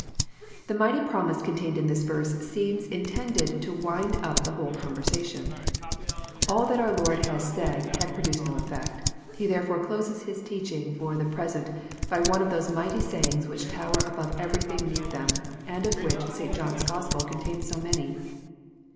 '] The mighty promise contained in this verse seems intended to wind up the whole conversation. All that our Lord had said had pro duced no effect. He therefore closes His teaching for the pres ent by one of those mighty sayings which tower above every thing near them, and of which St. John's Gospel contains so many.